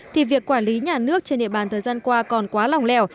thì việc quản lý nhà nước trên địa bàn thời gian qua còn quá lòng lèo